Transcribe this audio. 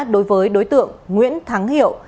đối với đối tượng nguyễn thắng hiệu